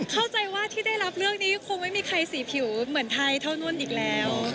เข้าใจว่าที่ได้รับเรื่องนี้คงไม่มีใครสีผิวเหมือนไทยเท่านั้นอีกแล้ว